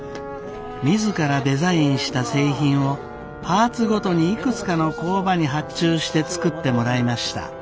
自らデザインした製品をパーツごとにいくつかの工場に発注して作ってもらいました。